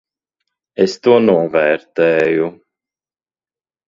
Es to novērtēju.